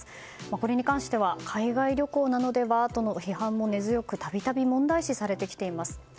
これに関しては海外旅行なのではとの批判も根強く度々、問題視されています。